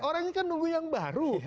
orang ini kan nunggu yang baru